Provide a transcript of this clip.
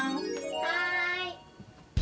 はい。